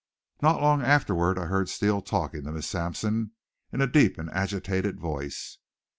Not long afterward I heard Steele talking to Miss Sampson, in a deep and agitated voice.